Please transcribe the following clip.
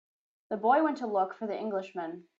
The boy went to look for the Englishman.